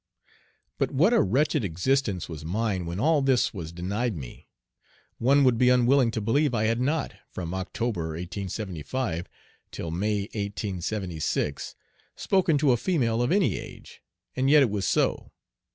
But what a wretched existence was mine when all this was denied me! One would be unwilling to believe I had not, from October, 1875, till May, 1876, spoken to a female of any age, and yet it was so.